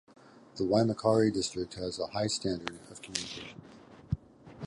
The Waimakariri District has a high standard of communications.